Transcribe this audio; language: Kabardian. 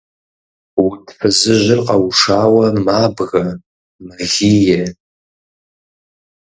Уд фызыжьыр къэушауэ мабгэ, мэгие.